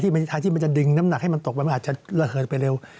ทางที่มันจะดึงน้ำหนักให้มันตกไปมันอาจจะระเหิดไปเร็ว